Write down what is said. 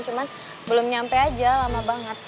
cuman belum nyampe aja lama banget